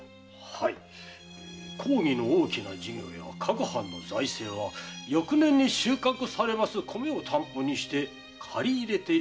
はい公儀の大きな事業や各藩の財政は翌年に収穫される米を担保にして借り入れているのが実情です。